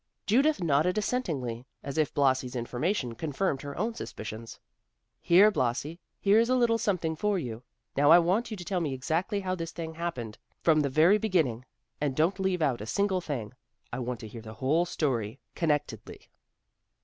Judith nodded assentingly, as if Blasi's information confirmed her own suspicions. "Here, Blasi, here's a little something for you. Now I want you to tell me exactly how this thing happened, from the very beginning; and don't leave out a single thing. I want to hear the whole story, connectedly."